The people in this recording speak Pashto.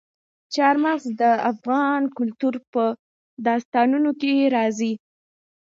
چار مغز د افغان کلتور په داستانونو کې راځي.